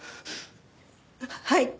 はい。